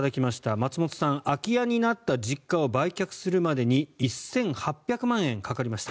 松本さん、空き家になった実家を売却するまでに１８００万円かかりました。